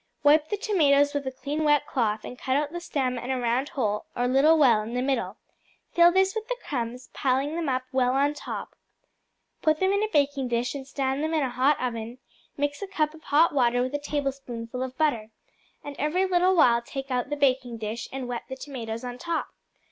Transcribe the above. Wipe the tomatoes with a clean wet cloth, and cut out the stem and a round hole or little well in the middle; fill this with the crumbs, piling them up well on top; put them in a baking dish and stand them in a hot oven; mix a cup of hot water with a tablespoonful of butter, and every little while take out the baking dish and wet the tomatoes on top.